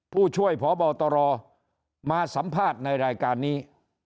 ผู้ช่วยพบตรมาสัมภาษณ์ในรายการนี้